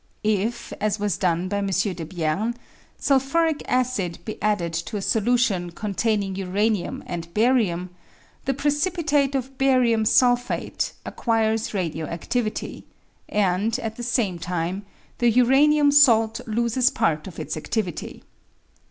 If, as was done by M. Debierne, sulphuric acid be added to a solution con taining uranium and barium, the precipitate of barium sulphate acquires radio adivity, and, at the same time, the uranium salts loses part of its adivity.